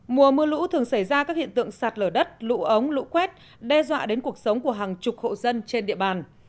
mùa mưa lũ thường xảy ra các hiện tượng sạt lở đất lũ ống lũ quét đe dọa đến cuộc sống của hàng chục hộ dân trên địa bàn